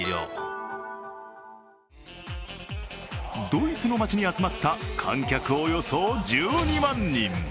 ドイツの街に集まった観客およそ１２万人。